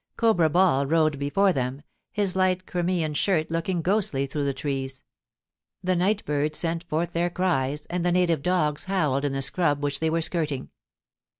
Cobra Ball rode before them, his light Crimean shirt looking ghostly through the trees. The night birds sent forth their cries, and the native dogs howled in the scrub which they were skirting.